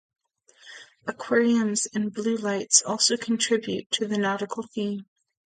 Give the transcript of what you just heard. Aquariums and blue lights also contribute to the nautical theme.